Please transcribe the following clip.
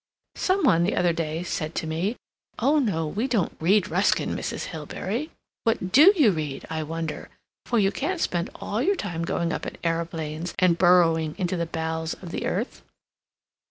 Some one, the other day, said to me, 'Oh, no, we don't read Ruskin, Mrs. Hilbery.' What do you read, I wonder?—for you can't spend all your time going up in aeroplanes and burrowing into the bowels of the earth."